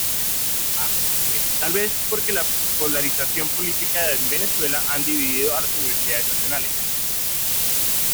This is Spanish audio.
Tal vez, porque la polarización política en Venezuela, han dividido a las universidades nacionales.